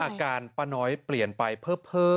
อาการป้าน้อยเปลี่ยนไปเพ้อ